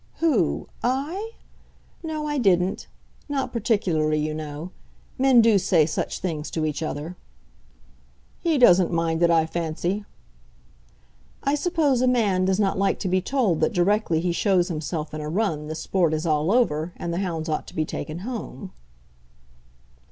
"Who? I? No, I didn't; not particularly, you know. Men do say such things to each other!" "He doesn't mind it, I fancy." "I suppose a man does not like to be told that directly he shows himself in a run the sport is all over and the hounds ought to be taken home."